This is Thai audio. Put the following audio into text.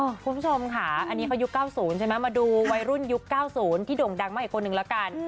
คุณผู้ชมค่ะอันนี้เขายุค๙๐ใช่ไหมมาดูวัยรุ่นยุค๙๐ที่โด่งดังมากอีกคนนึงละกัน